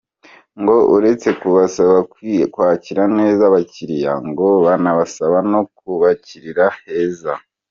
Ngo uretse kubasaba kwakira neza abakiriya, ngo banabasaba no kubakirira heza.